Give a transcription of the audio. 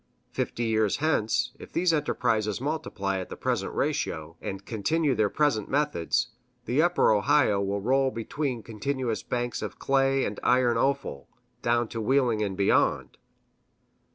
Fifty years hence, if these enterprises multiply at the present ratio, and continue their present methods, the Upper Ohio will roll between continuous banks of clay and iron offal, down to Wheeling and beyond.